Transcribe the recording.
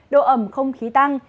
độ ẩm không khí tăng